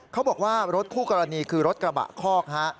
เขาบอกว่ารถคู่กรณีคือรถกระบะคอกฮะ